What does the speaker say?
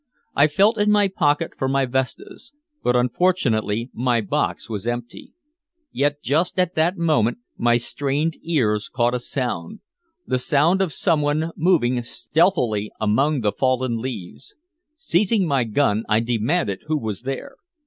I felt in my pocket for my vestas, but unfortunately my box was empty. Yet just at that moment my strained ears caught a sound the sound of someone moving stealthily among the fallen leaves. Seizing my gun, I demanded who was there.